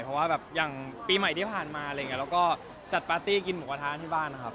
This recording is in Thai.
เพราะว่าอย่างปีใหม่ที่ผ่านมาแล้วก็จัดปาร์ตี้กินหมูกระทานที่บ้านนะครับ